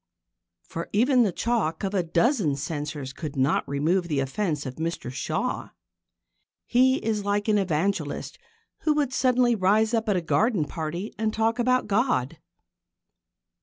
For even the chalk of a dozen censors could not remove the offence of Mr Shaw. He is like an evangelist who would suddenly rise up at a garden party and talk about God.